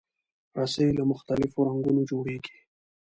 رسۍ له مختلفو رنګونو جوړېږي.